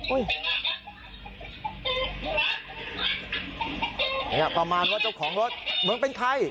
โอ้เหี้ยประมาณว่าเจ้าของรถเหมือนเป็นใคร